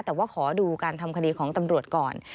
แต่ว่าขอดูการทำคดีของตำรวจก่อน